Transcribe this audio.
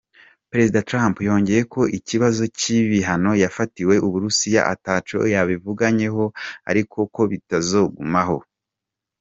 Perezida Trump yongeyeko ko ikibazo c'ibihano vyafatiwe Uburusiya ataco bakivuganyeko ariko ko bizogumaho.